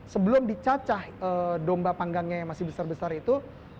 sebelum dicacah domba panggangnya yang masih besar besar itu